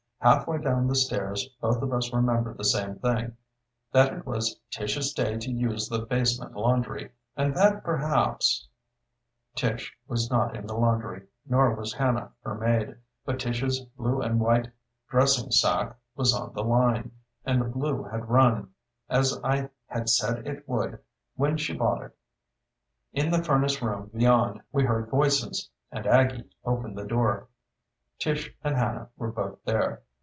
Halfway down the stairs both of us remembered the same thing that it was Tish's day to use the basement laundry, and that perhaps Tish was not in the laundry, nor was Hannah, her maid. But Tish's blue and white dressing sacque was on the line, and the blue had run, as I had said it would when she bought it. In the furnace room beyond we heard voices, and Aggie opened the door. Tish and Hannah were both there.